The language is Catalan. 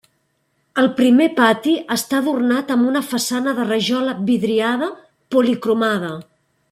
El primer pati està adornat amb una façana de rajola vidriada policromada.